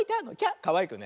かわいくね。